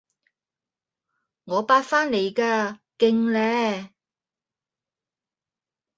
我八返嚟㗎，勁呢？